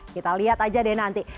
kita lihat aja deh nanti